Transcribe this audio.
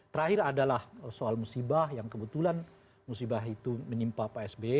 terakhir adalah soal musibah yang kebetulan musibah itu menimpa pak sby